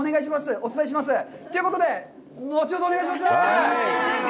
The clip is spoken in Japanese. お伝えします。ということで、後ほどお願いします！